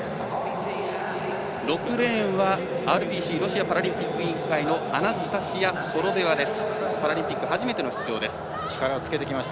６レーンはＲＰＣ＝ロシアパラリンピック委員会のアナスタシア・ソロベワです。